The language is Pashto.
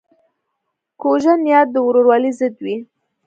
کوږه نیت د ورورولۍ ضد وي